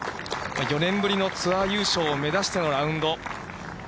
４年ぶりのツアー優勝を目指してのラウンド。